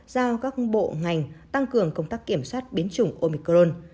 giao các bộ ngành tăng cường công tác kiểm soát biến chủng omicron